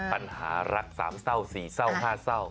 ปัญหารักสามเศร้า๔เศร้า๕เศร้า